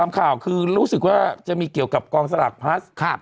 ข่าวคือรู้สึกว่าจะมีเกี่ยวกับกองสลากพลัส